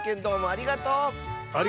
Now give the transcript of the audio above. ありがとう！